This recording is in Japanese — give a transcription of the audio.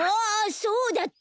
そうだった。